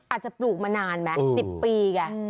อาจจะปลูกมานานแม็กซ์๑๐ปีค่ะ